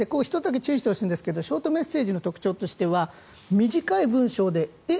注意してほしいんですがショートメッセージの特徴としては短い文章でえ？